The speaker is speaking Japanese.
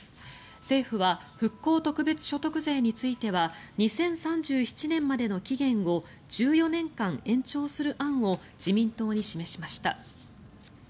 政府は復興特別所得税については２０３７年までの期限を１４年間延長する案を自民党に示しました。